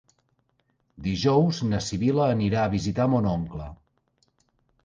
Dijous na Sibil·la anirà a visitar mon oncle.